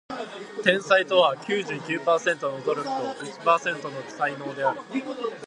天才とは九十九パーセントの努力と一パーセントの才能である